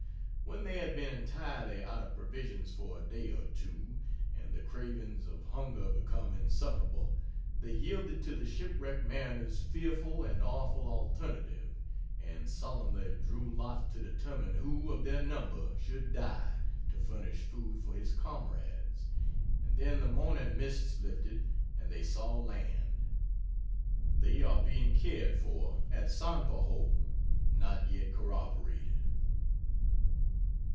When they had been entirely out of provisions for a day or two, and the cravings of hunger become insufferable, they yielded to the ship wrecked mariner's fearful and awful alternative, and solemnly drew lots to determine who of their number should die, to furnish food for his comrades; and then the morning mists lifted, and they saw land. They are being cared for at Sanpahoe (Not yet corroborated)."